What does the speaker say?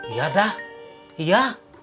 iya dah iya